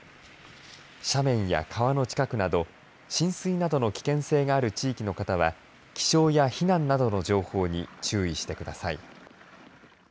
斜面や川の近くなど浸水などの危険性がある地域の方は気象や避難などの情報に注意してください。